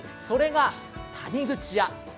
それが、谷口屋。